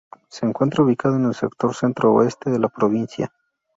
Se encuentra ubicada en el sector centro-oeste de la provincia.